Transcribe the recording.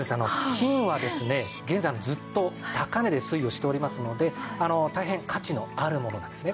金はですね現在ずっと高値で推移をしておりますので大変価値のあるものなんですね。